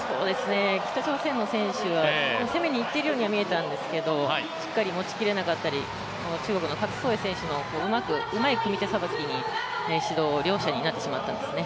北朝鮮の選手は攻めにいっているようにはみえたんですけどしっかり持ちきれなかったり中国の選手の郭宗英選手のうまい組み手さばきに指導になってしまいましたね。